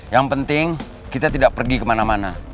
yang penting kita tidak pergi kemana mana